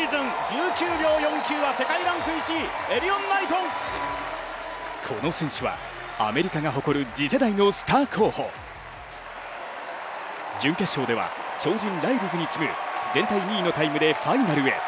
更にこの選手は、アメリカが誇る次世代のスター候補。準決勝では超人ライルズに次ぐ全体２位のタイムでファイナルへ。